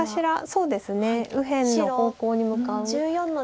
そうですね右辺の方向に向かうのが普通です。